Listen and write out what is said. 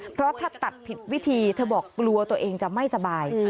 เพราะถ้าตัดผิดวิธีเธอบอกกลัวตัวเองจะไม่สบาย